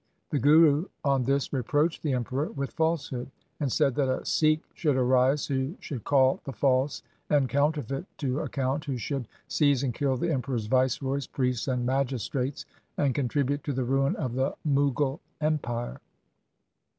The Guru on this reproached the Emperor with falsehood, and said that a Sikh 1 should arise who should call the false and counterfeit to account, who should seize and kill the Emperor's viceroys, priests, and magistrates, and contribute to the ruin of the Mughal empire.